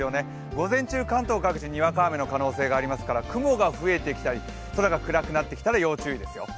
午前中、関東各地、にわか雨の可能性がありますから、雲が増えてきたり、空が暗くなってきたら要注意ですよ。